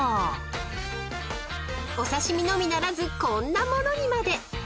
［お刺し身のみならずこんなものにまで］